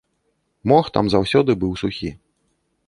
Мох там заўсёды быў сухі.